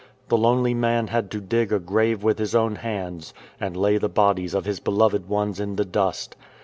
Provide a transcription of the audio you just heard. The lonely man had to dig a grave with his own hands, and lay the bodies of his beloved ones in the dust.